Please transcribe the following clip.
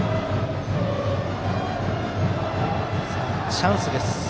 チャンスです。